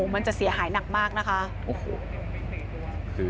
มันจะเสียหายหนักมากนะคะ